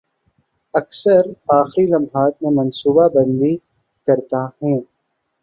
اکثر آخری لمحات میں منصوبہ بندی کرتا ہوں